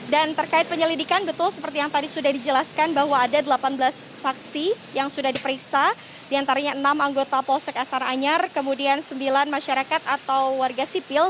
dan terkait penyelidikan betul seperti yang tadi sudah dijelaskan bahwa ada delapan belas saksi yang sudah diperiksa diantaranya enam anggota polsek astana anyar kemudian sembilan masyarakat atau warga sipil